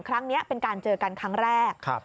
ครั้งนี้เป็นการเจอกันครั้งแรก